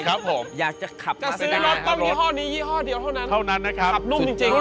ครับผมจะซื้อรถต้องยี่ห้อนี้ยี่ห้อเดียวเท่านั้นครับนุ่มจริงเท่านั้นนะครับ